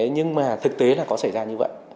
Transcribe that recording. nhưng mà thực tế là có xảy ra như vậy